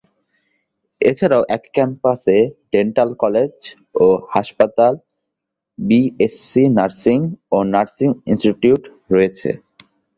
এছাড়াও একই ক্যাম্পাসে ডেন্টাল কলেজ ও হাসপাতাল, বিএসসি নার্সিং ও নার্সিং ইন্সটিটিউট রয়েছে।